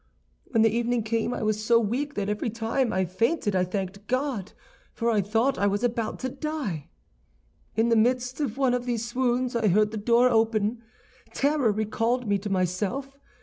"When the evening came I was so weak that every time I fainted I thanked God, for I thought I was about to die. "In the midst of one of these swoons I heard the door open. Terror recalled me to myself.